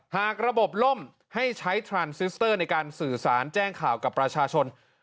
หากระบบล่มให้ใช้ทรานซิสเตอร์ในการสื่อสารแจ้งข่าวกับประชาชน